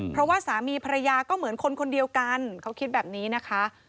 เพราะว่าสามีภรรยาก็เหมือนคนคนเดียวกันเขาคิดแบบนี้นะคะ